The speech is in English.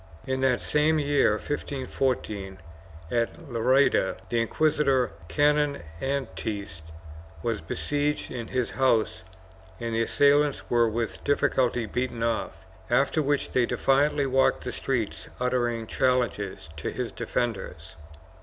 In that same year, 1514, at Lerida, the inquisitor Canon Antist was besieged in his house and the assailants were with difficulty beaten off, after which they defiantly walked the streets, uttering challenges to his defenders.